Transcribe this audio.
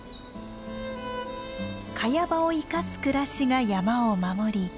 カヤ場を生かす暮らしが山を守り